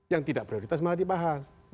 yang tidak prioritas malah dibahas